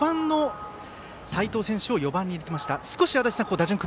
５番だった齋藤選手を４番に入れてきました。